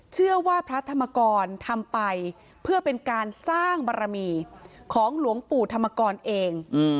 พระธรรมกรทำไปเพื่อเป็นการสร้างบารมีของหลวงปู่ธรรมกรเอง